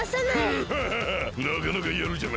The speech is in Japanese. ヌハハハなかなかやるじゃないか！